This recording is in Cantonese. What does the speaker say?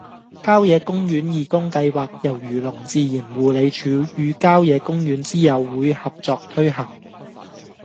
郊野公園義工計劃由漁農自然護理署與郊野公園之友會合作推行